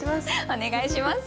お願いします。